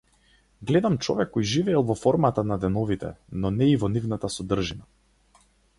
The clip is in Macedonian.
Гледам човек кој живеел во формата на деновите, но не и во нивната содржина.